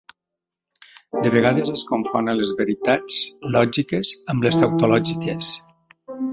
De vegades es confon a les veritats lògiques amb les tautologies.